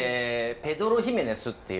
ペドロ・ヒメネスっていう。